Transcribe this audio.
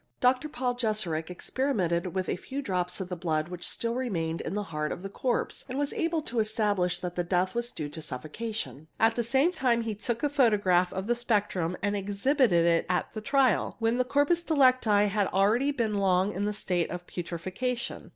Dr. Paul Jeserich experimented with a few drops of the blood which still : smained in the heart of the corpse and was able to establish that death was due to suffocation. At the same time he took a photograph " of the spectrum and exhibited it at the trial, when the corpus delicti had already been long in a state of putrefaction.